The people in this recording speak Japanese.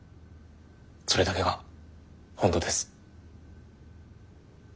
それだけが本当です。